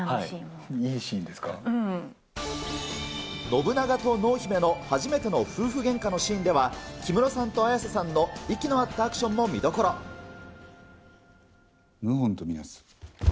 信長と濃姫の初めての夫婦喧嘩のシーンでは、木村さんと綾瀬さんの息の合ったアクションも見謀反と見なす。